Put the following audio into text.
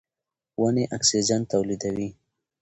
ونې اکسیجن تولیدوي.